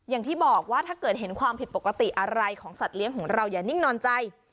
อย่างที่บอกว่าถ้าเกิดเห็นความผิดปกติอะไรของสัตว์เลี้ยงของเราอย่านิ่งนอนใจ